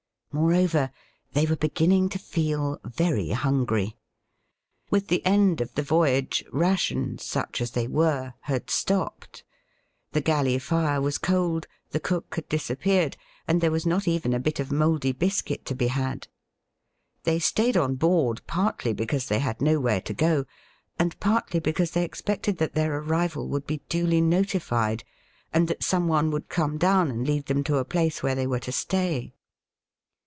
Moreover, they were beginning to feel very hungry. With the end of the voyage, rations. Digitized by VjOOQIC A PERSONAL EPISODE IK HISTOBT. 27 sucli as they were, had stopped. The galley fire was cold, the cook had disappeared, and there was not even a hit of mouldy hiscuit to be had. They stayed on hoard partly because they had nowhere to go, and partly because they expected that their arrival would be duly notified, and that some one would come down and lead them to a place where they were to stay.